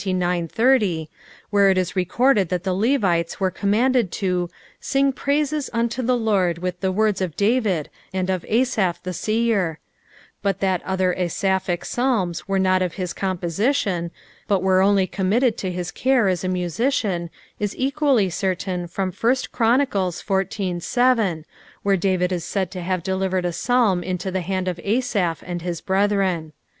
30, toAere it isrecordrd that the Lecites uiere commanded lo "sirwi praises vnio the Lord leilh the words tf David, and qf Aaaphthe ster," but thai other Asapkic Psalms were not cf his composition, but uterr only committed to his care (U a musiciOTi, is equally certain from 1 Chion. ivi. 7, tehere Daaid is said to have delivered a Psalm into the hand of Asaph and his brethren.